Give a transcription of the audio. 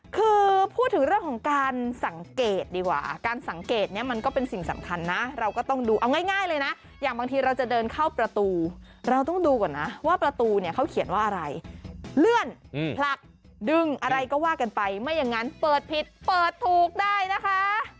คือพูดถึงเรื่องของการสังเกตดีกว่าการสังเกตเนี่ยมันก็เป็นสิ่งสำคัญนะเราก็ต้องดูเอาง่ายเลยนะอย่างบางทีเราจะเดินเข้าประตูเราต้องดูก่อนนะว่าประตูเนี่ยเขาเขียนว่าอะไรเลื่อนผลักดึงอะไรก็ว่ากันไปไม่อย่างนั้นเปิดผิดเปิดถูกได้นะคะ